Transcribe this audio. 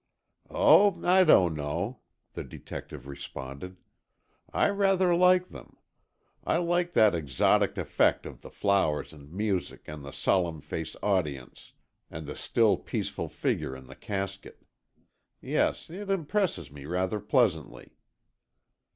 "Oh, I don't know," the detective responded, "I rather like them. I like that exotic effect of the flowers and music and the solemn faced audience, and the still peaceful figure in the casket. Yes, it impresses me rather pleasantly."